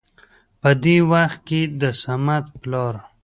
په دې وخت کې د صمد پلار